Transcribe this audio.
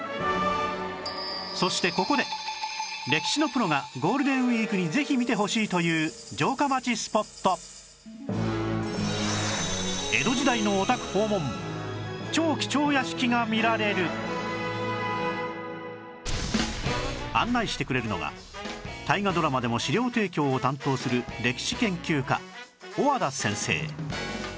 そしてここで歴史のプロがゴールデンウィークにぜひ見てほしいという城下町スポット案内してくれるのが大河ドラマでも資料提供を担当する歴史研究家小和田先生